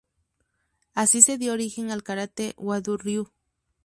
Así se dio origen al karate Wadō-ryū.